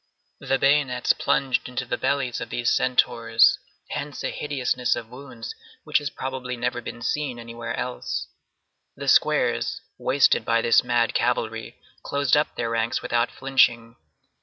The bayonets plunged into the bellies of these centaurs; hence a hideousness of wounds which has probably never been seen anywhere else. The squares, wasted by this mad cavalry, closed up their ranks without flinching.